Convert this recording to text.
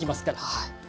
はい。